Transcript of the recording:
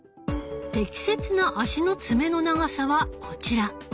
適切な足の爪の長さはこちら。